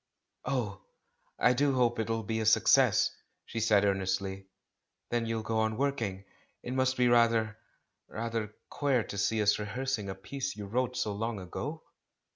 "Oh, I do hope it'll be a success!" she said earnestly, "then you'll go on working. It must be rather — rather queer to see us rehearsing a piece you wrote so long ago?"